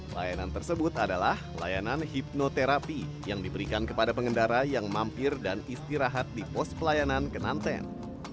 layanan tersebut adalah layanan hipnoterapi yang diberikan kepada pengendara yang mampir dan istirahat di pos pelayanan kenanten